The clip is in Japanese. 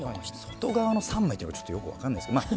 外側の３枚っていうのがちょっとよく分かんないですけど。